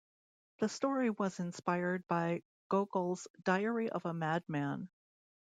The story was inspired by Gogol's "Diary of a Madman".